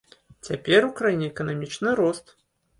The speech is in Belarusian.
Цяпер у краіне эканамічны рост.